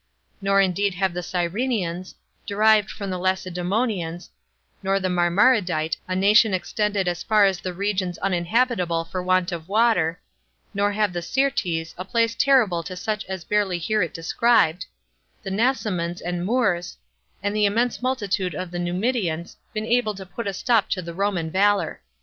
Nor indeed have the Cyrenians, derived from the Lacedemonians, nor the Marmaridite, a nation extended as far as the regions uninhabitable for want of water, nor have the Syrtes, a place terrible to such as barely hear it described, the Nasamons and Moors, and the immense multitude of the Numidians, been able to put a stop to the Roman valor.